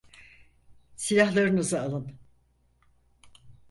Silahlarınızı alın.